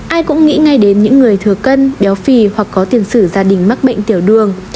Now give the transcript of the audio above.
ai cũng nghĩ ngay đến những người thừa cân béo phì hoặc có tiền sử gia đình mắc bệnh tiểu đường